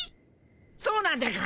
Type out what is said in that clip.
そうなんでゴンス。